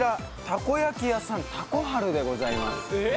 たこ焼き屋さんたこはるでございますええ